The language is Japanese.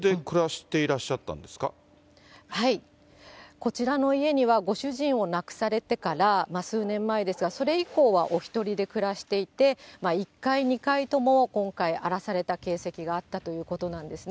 こちらの家にはご主人を亡くされてから、数年前ですが、それ以降はお一人で暮らしていて、１階、２階とも今回、荒らされた形跡があったということなんですね。